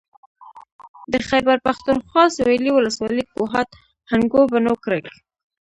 د خېبر پښتونخوا سوېلي ولسوالۍ کوهاټ هنګو بنو کرک